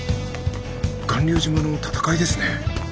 巌流島の戦いですね。